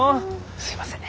すいません。